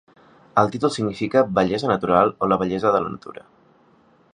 El títol significa "bellesa natural" o "la bellesa de la natura".